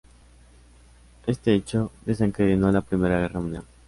Este hecho desencadenó la Primera Guerra Mundial.